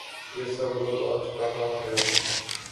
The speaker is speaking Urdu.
یہ سب لوگ آج کہاں ہیں؟